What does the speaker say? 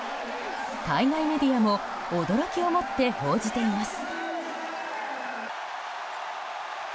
海外メディアも驚きをもって報じています。